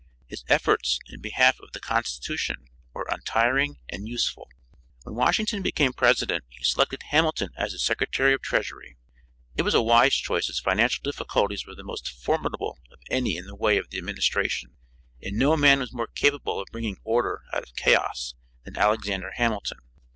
His efforts in behalf of the constitution were untiring and useful. When Washington became president he selected Hamilton as his Secretary of Treasury. It was a wise choice as financial difficulties were the most formidable of any in the way of the administration, and no man was more capable of bringing order out of chaos than Alexander Hamilton.